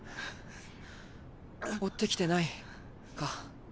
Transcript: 追ってきてないか。